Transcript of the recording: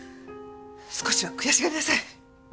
少しは悔しがりなさい。